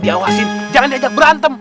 diawasin jangan diajak berantem